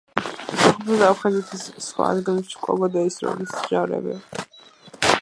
სოხუმსა და აფხაზეთის სხვა ადგილებში კვლავ გადაისროლეს ჯარები.